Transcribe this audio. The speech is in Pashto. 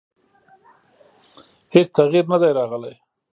هېڅ تغییر نه دی راغلی.